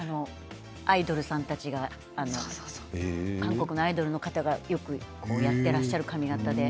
アイドルさんたちが韓国のアイドルの方がよくこうやってらっしゃる髪形で。